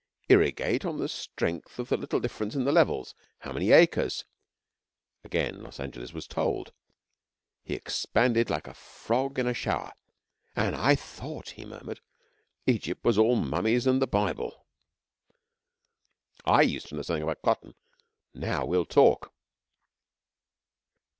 Irrigate on the strength of the little difference in the levels. How many acres?' Again Los Angeles was told. He expanded like a frog in a shower. 'An' I thought,' he murmured, 'Egypt was all mummies and the Bible! I used to know something about cotton. Now we'll talk.'